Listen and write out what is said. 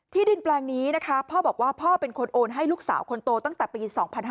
ดินแปลงนี้นะคะพ่อบอกว่าพ่อเป็นคนโอนให้ลูกสาวคนโตตั้งแต่ปี๒๕๕๙